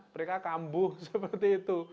mereka kambuh seperti itu